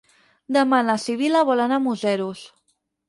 Demà na Sibil·la vol anar a Museros.